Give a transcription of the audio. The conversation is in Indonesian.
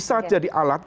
untuk menjadi alat